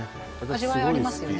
味わいありますよね